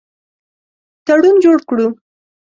تړون جوړ کړو.